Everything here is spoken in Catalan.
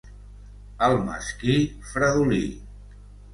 El mesquí, fredolí.